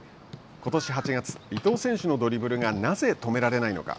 ことし８月、伊東選手のドリブルがなぜ止められないのか。